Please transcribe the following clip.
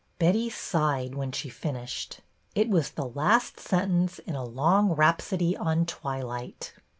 " Betty sighed when she finished. It was the last sentence in a long rhapsody on " Twilight."